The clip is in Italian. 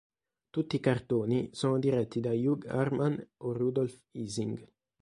Tutti i cartoni sono diretti da Hugh Harman o Rudolf Ising.